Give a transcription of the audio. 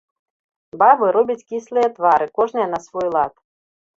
Бабы робяць кіслыя твары, кожная на свой лад.